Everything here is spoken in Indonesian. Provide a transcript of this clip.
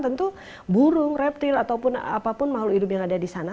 tentu burung reptil ataupun apapun makhluk hidup yang ada di sana